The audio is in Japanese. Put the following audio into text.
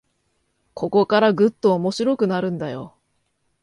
ここからぐっと面白くなるんだよ